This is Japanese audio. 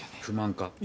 不満か？